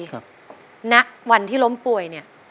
ณวันที่ล้มป่วยเนี่ย